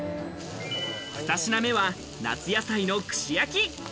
２品目は夏野菜の串焼き。